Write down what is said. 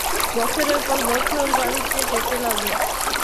বছরের পর বছর গড়িয়ে যেতে লাগল।